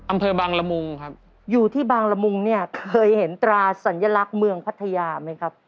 อำเภอบางละมุงครับอยู่ที่บางละมุงเนี่ยเคยเห็นตราสัญลักษณ์เมืองพัทยาไหมครับ